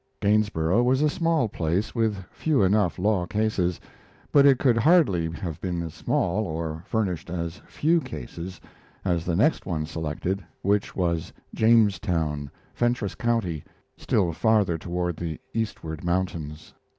Gainsborough was a small place with few enough law cases; but it could hardly have been as small, or furnished as few cases; as the next one selected, which was Jamestown, Fentress County, still farther toward the Eastward Mountains.